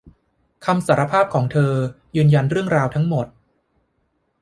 คำสารภาพของเธอยืนยันเรื่องราวทั้งหมด